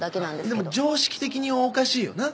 でも常識的におかしいよな。